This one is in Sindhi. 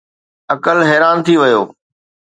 عقل حيران ٿي ويو.